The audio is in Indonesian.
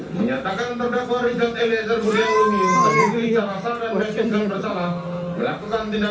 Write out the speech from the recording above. menyatakan terdakwa rizal t lezar budiang lumiu